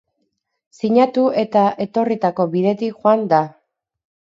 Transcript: Sinatu eta etorritako bidetik joan da.